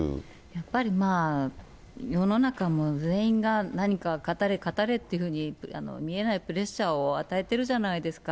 やっぱり、まあ、世の中も全員が何か語れ語れっていうふうに、見えないプレッシャーを与えてるじゃないですか。